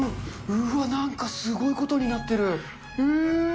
うわっ、なんかすごいことになってる。